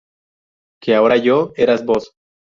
Que ahora yo… eras vos.